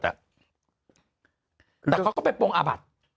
แต่เขาก็ไปปรงอาบัติ